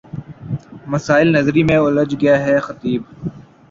مسائل نظری میں الجھ گیا ہے خطیب